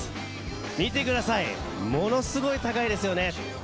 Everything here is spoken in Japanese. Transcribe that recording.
見てください、ものすごい高いですよね。